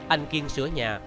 anh kiên sửa nhà